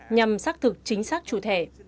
nhằm xác thực chính xác chủ thẻ